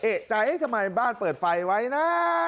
เอกใจทำไมบ้านเปิดไฟไว้นะ